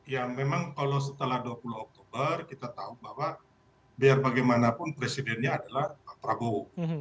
ya memang kalau setelah dua puluh oktober kita tahu bahwa biar bagaimanapun presidennya adalah pak prabowo